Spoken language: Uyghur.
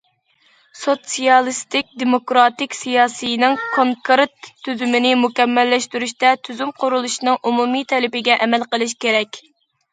سوتسىيالىستىك دېموكراتىك سىياسىينىڭ كونكرېت تۈزۈمىنى مۇكەممەللەشتۈرۈشتە تۈزۈم قۇرۇلۇشىنىڭ ئومۇمىي تەلىپىگە ئەمەل قىلىش كېرەك.